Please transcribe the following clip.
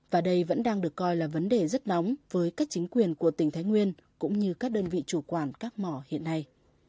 và đây vẫn đang được coi là vấn đề rất nóng với các chính quyền của tỉnh thái nguyên cũng như các đơn vị chủ quản các mỏ hiện nay